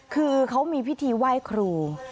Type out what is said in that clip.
คือเขามีพิธีไหว้ครู